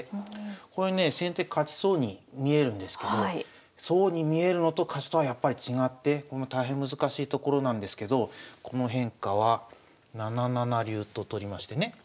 これね先手勝ちそうに見えるんですけどそうに見えるのと勝ちとはやっぱり違って大変難しいところなんですけどこの変化は７七竜と取りましてね。